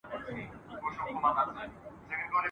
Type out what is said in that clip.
عاقبت به یې په غوښو تود تنور وي !.